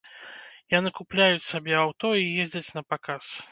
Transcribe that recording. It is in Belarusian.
Яны купляюць сабе аўто і ездзяць напаказ.